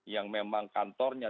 yang memang kantornya